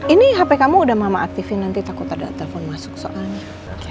ini hp kamu udah mama aktifin nanti takut ada telepon masuk soalnya